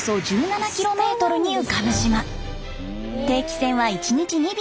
定期船は１日２便。